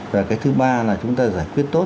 và cái thứ ba là chúng ta giải quyết tốt